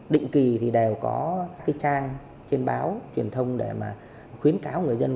định kỳ thì đều có cái trang trên báo truyền thông để mà khuyến cáo người dân